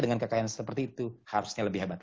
dengan kekayaan seperti itu harusnya lebih hebat